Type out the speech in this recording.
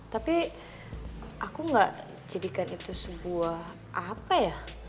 tapi aku gak jadikan itu sebuah apa ya